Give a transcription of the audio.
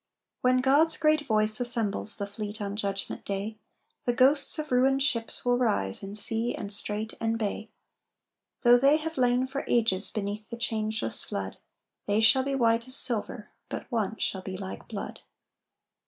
When God's great voice assembles The fleet on Judgment Day, The ghosts of ruined ships will rise In sea and strait and bay. Though they have lain for ages Beneath the changeless flood, They shall be white as silver, But one shall be like blood.